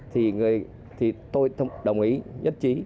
thì tôi đồng ý nhất trí